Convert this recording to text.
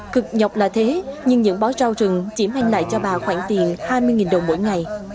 cực nhọc là thế nhưng những bó rau trừng chỉ mang lại cho bà khoảng tiền hai mươi đồng